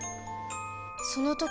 その時